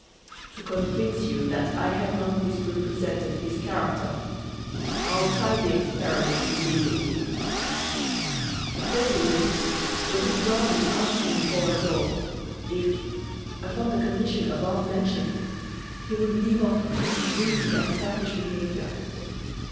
To convince you that I have not misrepresented his character, I'll try the experiment immediately." Accordingly, the good Bramin asked him before us all, if, upon the condition above mentioned, he would leave off his greedy and selfish behaviour.